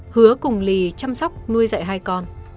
hứa cùng lì chăm sóc nuôi dạy hai con